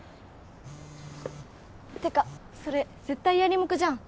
ってかそれ絶対ヤリモクじゃん。